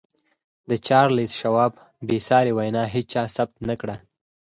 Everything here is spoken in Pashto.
د چارليس شواب بې ساري وينا هېچا ثبت نه کړه.